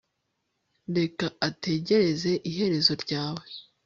reka ategereze iherezo ryawe